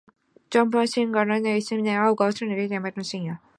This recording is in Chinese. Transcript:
另一种解释表示怪诞虫可能只是另一种大型未知动物的附肢。